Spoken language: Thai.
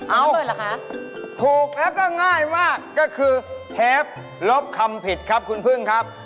ถูกแล้วก็ง่ายมากก็คือเทปลบคำผิดครับคุณพึ่งครับ